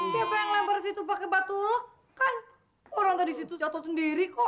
siapa yang lempar situ pakai batu ulek kan orang tadi situ jatuh sendiri kok